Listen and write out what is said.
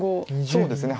そうですね